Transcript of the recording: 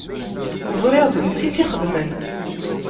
Ẓriɣ d netta i tt-ixedmen.